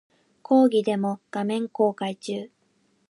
講義デモ画面公開中